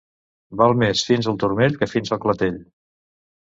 Val més fins al turmell que fins al clatell.